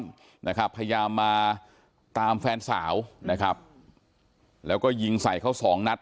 พยายามมาตามแฟนสาวแล้วก็ยิงใส่เขาสองนัด